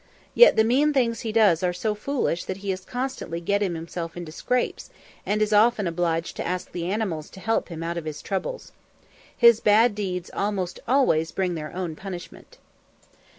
Yet the mean things he does are so foolish that he is constantly getting himself into scrapes, and is often obliged to ask the animals to help him out of his troubles. His bad deeds almost always bring their own punishment.